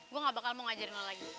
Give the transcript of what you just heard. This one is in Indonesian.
gue nggak bakal mau ngajarin lo lagi